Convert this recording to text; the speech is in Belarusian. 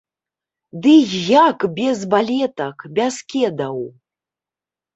Ды і як без балетак, без кедаў?